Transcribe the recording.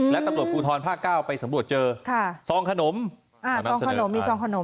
และตำรวจภูทรภาคเก้าไปสำรวจเจอซองขนมซองขนมมีซองขนม